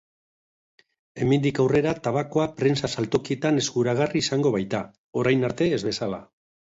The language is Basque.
Hemendik aurrera tabakoa prentsa saltokietan eskuragarri izango baita, orain arte ez bezala.